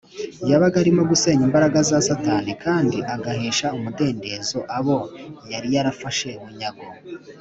yabaga arimo gusenya imbaraga za satani kandi agahesha umudendezo abo yari yarafashe bunyago